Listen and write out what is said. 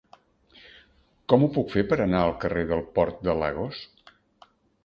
Com ho puc fer per anar al carrer del Port de Lagos?